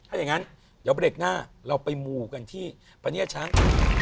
ถ้าอย่างงั้นเดี๋ยวไปเด็กหน้าเราไปมูกันที่พะเนี่ยช้าง